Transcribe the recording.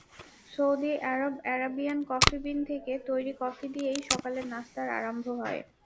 Saudi আরবঅ্যারাবিয়ান coffee bean থেকে তৈরি কফি দিয়েই সকালের নাশতার আরম্ভ হয়।